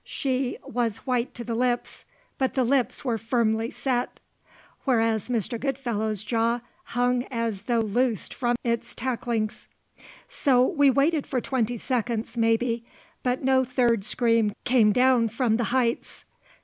She was white to the lips, but the lips were firmly set; whereas Mr. Goodfellow's jaw hung as though loosed from its tacklings. So we waited for twenty seconds, maybe; but no third scream came down from the heights.